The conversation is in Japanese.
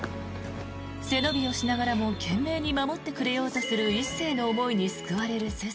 背伸びをしながらも懸命に守ってくれようとする一星の思いに救われる鈴。